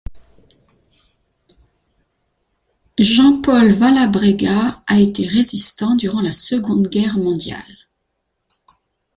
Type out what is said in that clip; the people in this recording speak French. Jean-Paul Valabrega a été résistant durant la Seconde Guerre mondiale.